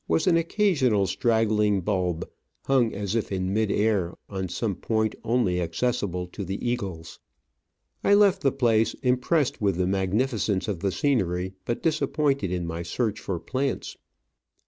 i i 5 was an occasional straggling bulb hung as if in mid air on some point only accessible to the eagles. I left the place impressed with the magnificence of the scenery, but disappointed in my search for plants.